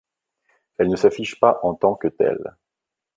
Elle ne s’affiche pas en tant que telle.